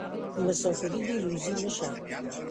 مسافري دې روزي مه شه.